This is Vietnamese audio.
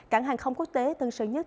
cảng hàng không quốc tế tân sơn nhất